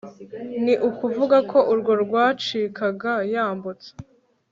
ni ukuvuga ko urwo rwacikaga yambutse